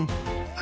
あ！